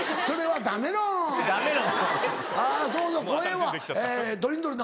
それはダメロン！